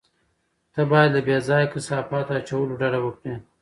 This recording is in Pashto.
ته باید له بې ځایه کثافاتو اچولو ډډه وکړې.